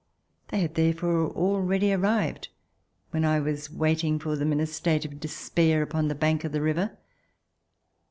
They had therefore already arrived when I was waiting for them in a state of despair upon the bank of the river.